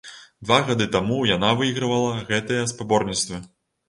Два гады таму яна выйгравала гэтыя спаборніцтвы.